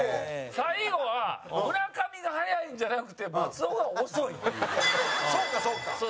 最後は村上が速いんじゃなくて松尾が遅いっていう。